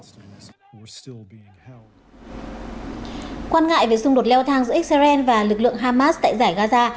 quan ngại về xung đột leo thang giữa israel và lực lượng hamas tại giải gaza